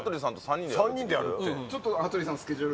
３人でやるって。